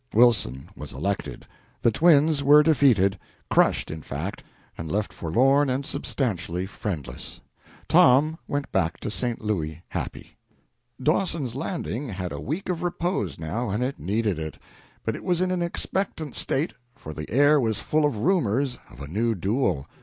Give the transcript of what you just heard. Wilson was elected, the twins were defeated crushed, in fact, and left forlorn and substantially friendless. Tom went back to St. Louis happy. Dawson's Landing had a week of repose, now, and it needed it. But it was in an expectant state, for the air was full of rumors of a new duel.